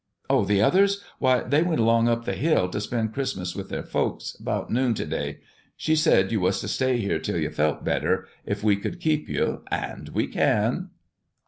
Oh, the others? Why, they went along up t' the Hill, to spend Christmas with their folks, about noon to day. She said you was to stay here till you felt better, if we could keep you. And we can."